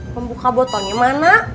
pembuka botolnya mana